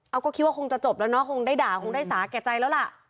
เอาก็คิดว่าคงจะจบแล้วเนาะคงได้ด่าคงได้สาแก่ใจแล้วล่ะ